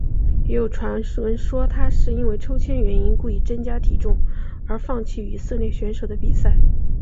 也有传闻说他是因为抽签原因故意增加体重而放弃与以色列选手的比赛。